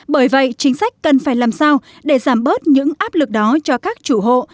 bởi vậy chính sách cần phải làm sao để giảm bớt những áp lực đó cho các chủ hộ